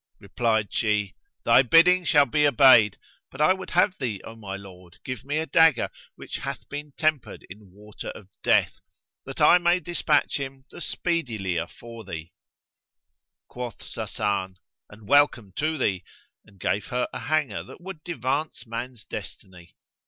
Replied she, "Thy bidding shall be obeyed; but I would have thee, O my lord, give me a dagger[FN#106] which hath been tempered in water of death, that I may despatch him the speedilier for thee." Quoth Sasan, "And welcome to thee!"; and gave her a hanger that would devance man's destiny.